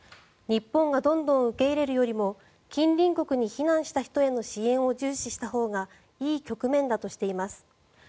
日本がどんどん受け入れるよりも近隣国に避難した人への支援を重視したほうがいい局面だとしています。